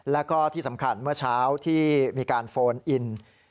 แล้วก็ที่สำคัญเมื่อเช้าที่มีการโฟนอิน